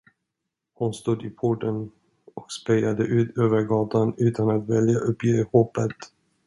Hon stod i porten och spejade ut över gatan utan att vilja uppge hoppet.